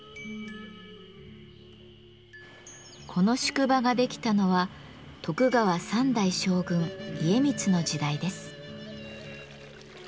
この宿場ができたのは徳川三代将軍・家光の時代です。